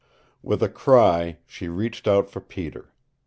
With a cry she reached out for Peter.